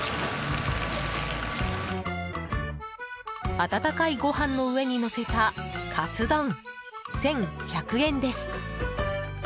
温かいご飯の上にのせたかつ丼、１１００円です。